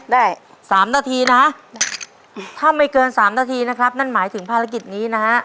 ได้สามนาทีนะถ้าไม่เกิน๓นาทีนะครับนั่นหมายถึงภารกิจนี้นะฮะ